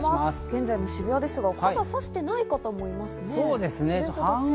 現在の渋谷ですが傘をさしていない方もいますね。